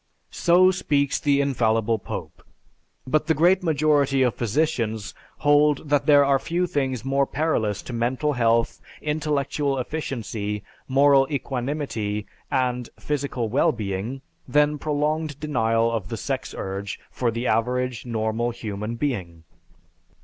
So speaks the infallible Pope, but the great majority of physicians hold that there are few things more perilous to mental health, intellectual efficiency, moral equanimity, and physical well being than prolonged denial of the sex urge for the average, normal human being.